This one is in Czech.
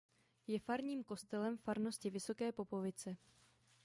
Je farním kostelem farnosti Vysoké Popovice.